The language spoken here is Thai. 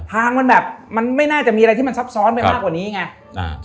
ทางมันแบบไม่น่าจะมีอะไรที่มันทรัพย์ซ้อนไปมากกว่านี้ไง